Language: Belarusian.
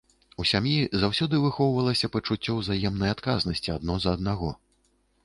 У сям'і заўсёды выхоўвалася пачуццё ўзаемнай адказнасці адно за аднаго.